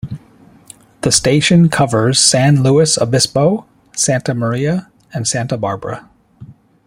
The station covers San Luis Obispo, Santa Maria and Santa Barbara.